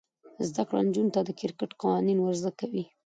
زده کړه نجونو ته د کرکټ قوانین ور زده کوي.